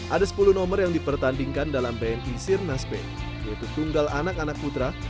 ada sepuluh nomor yang dipertandingkan dalam bni sirnas b yaitu tunggal anak anak putra